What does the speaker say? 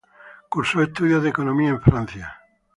Cursó estudios de Economía en Francia.